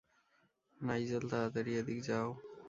Nigel, তাড়াতাড়ি এদিক যাও।